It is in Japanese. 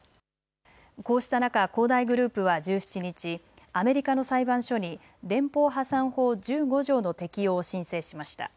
こうした中、恒大グループは１７日、アメリカの裁判所に連邦破産法１５条の適用を申請しました。